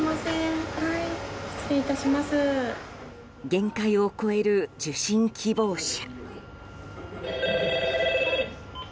限界を超える受診希望者。